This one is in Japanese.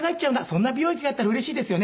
そんな美容液があったらうれしいですよね。